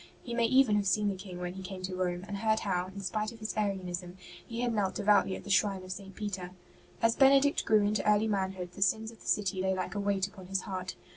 He may even have seen the King when he came to Rome, and heard how, in spite of his Arianism, he had knelt devoutly at the shrine of St. Peter. As Benedict grew into early manhood, the sins of the city lay like a weight upon his heart.